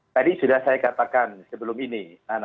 tadi sudah saya katakan sebelum ini